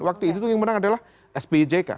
waktu itu yang menang adalah spijk